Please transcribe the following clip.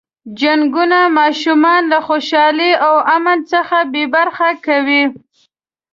جنګونه ماشومان له خوشحالۍ او امن څخه بې برخې کوي.